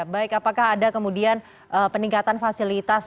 baik apakah ada kemudian peningkatan fasilitas